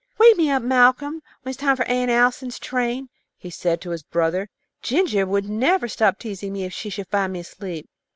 "Wake me up, Malcolm, when it's time for Aunt Allison's train," he said to his brother. "Ginger would never stop teasing me if she should find me asleep."